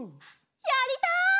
やりたい！